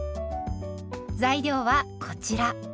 材料はこちら。